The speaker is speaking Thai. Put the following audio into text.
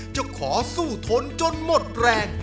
จะขอสู้ทนจนหมดแรง